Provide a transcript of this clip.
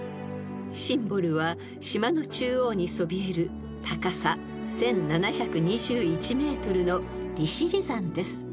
［シンボルは島の中央にそびえる高さ１，７２１ｍの利尻山です］